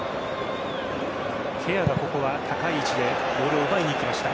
ケアが高い位置でボールを奪いにいきました。